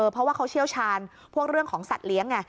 เพราะว่าเขาเชี่ยวชาญพวกเรื่องของสัตว์เลี้ยงไง